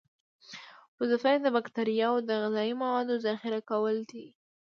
وظیفه یې د باکتریاوو د غذایي موادو ذخیره کول دي.